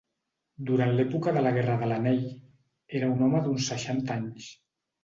Durant l'època de la Guerra de l'Anell era un home d'uns seixanta anys.